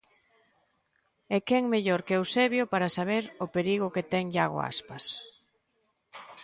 E quen mellor que Eusebio para saber o perigo que ten Iago Aspas.